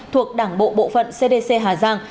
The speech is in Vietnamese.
thuộc đảng bộ bộ phận cdc hà giang